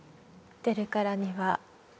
出るからには。